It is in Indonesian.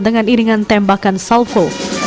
dengan iringan tembakan salvo